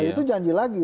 nah itu janji lagi